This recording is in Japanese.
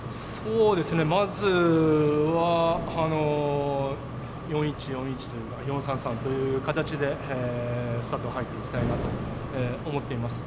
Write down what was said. まずは４−１−４−１４−３−３という形でスタートに入っていきたいなと思っています。